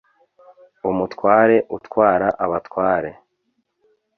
umutware utwara abatware